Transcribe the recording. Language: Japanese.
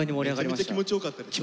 めちゃめちゃ気持ちよかったでしょ？